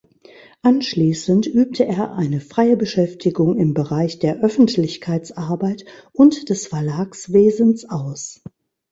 Anschließend übte er eine freie Beschäftigung im Bereich der Öffentlichkeitsarbeit und des Verlagswesens aus.